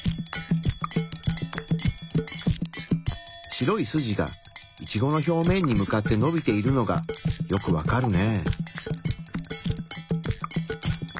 白い筋がイチゴの表面に向かってのびているのがよくわかるね。